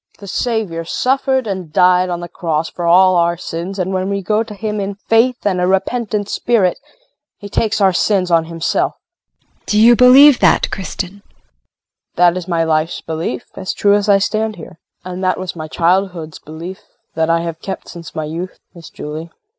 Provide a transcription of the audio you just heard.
The Savior suffered and died on the cross for all our sins, and when we go to Him in faith and a repentant spirit he takes our sins on Himself. JULIE. Do you believe that, Kristin? KRISTIN. That is my life's belief, as true as I stand here. And that was my childhood's belief that I have kept since my youth, Miss Julie.